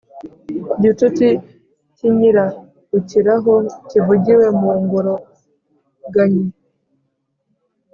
lgitutsi cy'inyirarukiraho, kivugiwe mu ngoroganyi